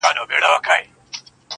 څه به وسي دا یوه که پکښي زما سي,